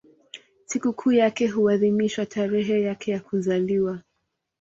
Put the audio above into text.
Sikukuu yake huadhimishwa tarehe yake ya kuzaliwa.